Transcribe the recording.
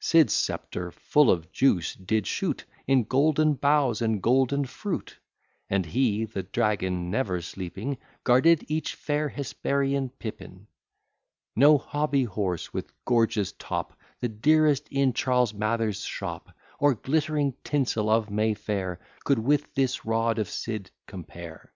Sid's sceptre, full of juice, did shoot In golden boughs, and golden fruit; And he, the dragon never sleeping, Guarded each fair Hesperian Pippin. No hobby horse, with gorgeous top, The dearest in Charles Mather's shop, Or glittering tinsel of May Fair, Could with this rod of Sid compare.